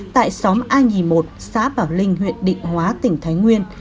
tại xóm a hai mươi một xã bảo linh huyện định hóa tỉnh thái nguyên